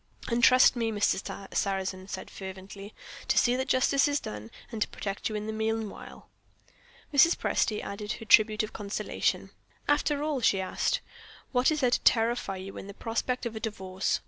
"And trust me," Mr. Sarrazin said fervently, "to see that Justice is done, and to protect you in the meanwhile." Mrs. Presty added her tribute of consolation. "After all," she asked, "what is there to terrify you in the prospect of a Divorce?